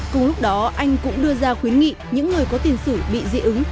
cùng lúc đó anh cũng đưa ra khuyến nghị những người có tiền sử bị dị ứng